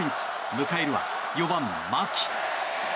迎えるは４番、牧。